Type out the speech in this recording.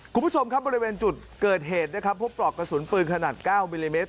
คุณผู้ชมครับบริเวณจุดเกิดเหตุนะครับพบปลอกกระสุนปืนขนาด๙มิลลิเมตร